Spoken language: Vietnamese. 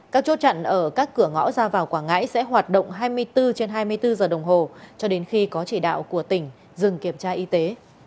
các chốt chặn ở các cửa ngõ ra vào quảng ngãi sẽ hoạt động hai mươi bốn trên hai mươi bốn giờ đồng hồ cho đến khi có chỉ đạo của tỉnh dừng kiểm tra y tế